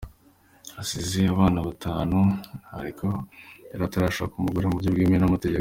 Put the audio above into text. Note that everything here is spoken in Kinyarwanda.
Yasize abana batanu ariko yari atarashaka umugore mu buryo bwemewe n’aamtegeko.